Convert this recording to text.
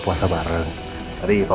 mas filsifong di awan